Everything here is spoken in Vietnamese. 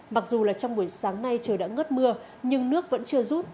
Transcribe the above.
mặc dù là trong buổi sáng nay trời đã ngớt mưa nhưng nước vẫn chưa rút